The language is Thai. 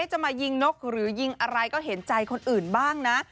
จะมายิงนกหรือยิงอะไรก็เห็นใจคนอื่นบ้างนะ